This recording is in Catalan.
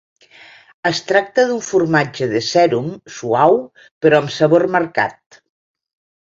Es tracta d'un formatge de sèrum, suau però amb sabor marcat.